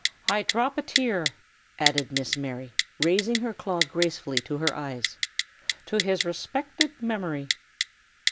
I drop a tear," added Miss Mary, raising her claw gracefully to her eyes, "to his respected memory."